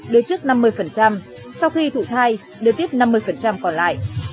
đưa trước năm mươi sau khi thụ thai đưa tiếp năm mươi còn lại